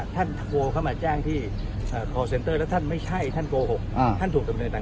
ท่านโกหกท่านถูกสำเนินหวังต่างบุรุษไป